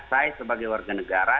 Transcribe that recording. saya sebagai warga negara